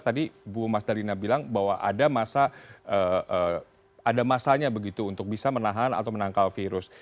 tadi bu mas dalina bilang bahwa ada masanya begitu untuk bisa menahan atau menangkal virus